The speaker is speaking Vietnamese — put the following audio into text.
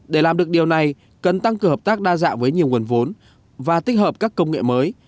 để làm được điều này cần tăng cường hợp tác đa dạng với nhiều nguồn vốn và tích hợp các công nghệ mới